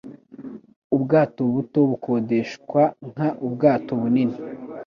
ubwato buto bukodeshwa nk ubwato bunini